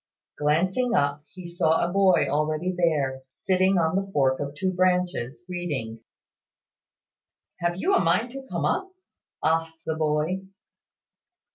Glancing up, he saw a boy already there, sitting on the fork of two branches, reading. "Have you a mind to come up?" asked the boy.